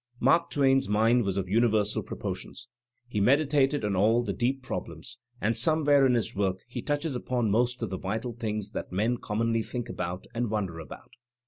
Mark Twain's mind was of universal proportions; he medi tated on all the deep problems, and somewhere in his work he touches upon most of the vital things that men commonly think about and wonder about.